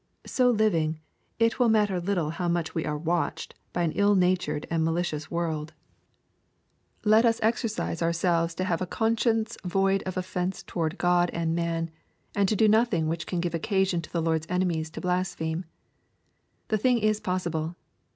So living, it will matter little how much we are " watched" by an ill natured and malicious world. Let LUKE, CHAP. XIV. 149 as exercise ourselves to have a conscience void of offence toward God and raan, and to do nothing which can give occasion to the Lord's enemies to blaspheme. The thing is possible.